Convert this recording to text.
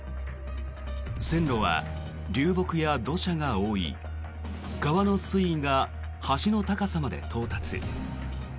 線路は流木や土砂が覆い川の水位が橋の高さまで到達。